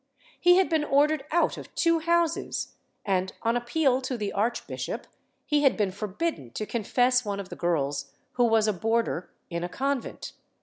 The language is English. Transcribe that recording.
He had been ordered out of two houses and, on appeal to the archbishop, he had been forbidden to confess one of the girls who was a boarder in a convent.